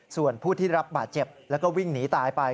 ส่วนผู้ที่รับบาดเจ็บแล้วก็วิ่งหนีตายไป